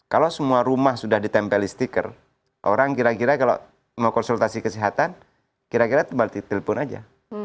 kalau semua rumah sudah ditempeli stiker orang kira kira kalau mau konsultasi kesehatan kira kira kembali telpon aja